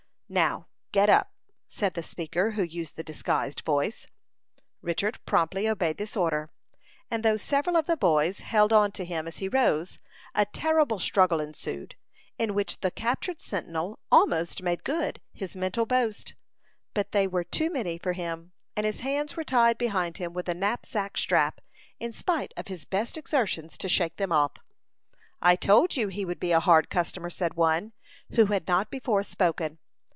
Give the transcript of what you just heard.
"Now, get up," said the speaker, who used the disguised voice. Richard promptly obeyed this order, and though several of the boys held on to him as he rose, a terrible struggle ensued, in which the captured sentinel almost made good his mental boast; but they were too many for him, and his hands were tied behind him with a knapsack strap, in spite of his best exertions to shake them off. "I told you he would be a hard customer," said one, who had not before spoken.